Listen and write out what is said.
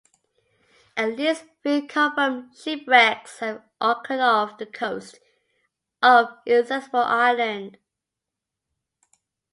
At least three confirmed shipwrecks have occurred off the coast of Inaccessible Island.